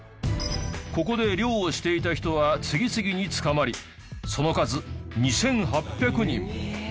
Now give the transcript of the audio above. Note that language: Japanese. ここで漁をしていた人は次々に捕まりその数２８００人。